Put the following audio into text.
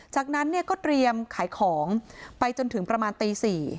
จากนั้นเนี่ยก็เตรียมขายของไปจนถึงประมาณตี๔